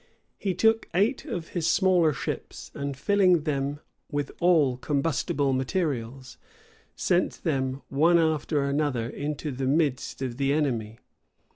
He took eight of his smaller ships, and filling them with all combustible materials, sent them, one after another, into the midst of the enemy.